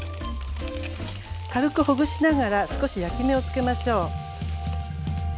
軽くほぐしながら少し焼き目をつけましょう。